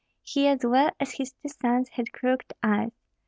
He, as well as his two sons, had crooked eyes.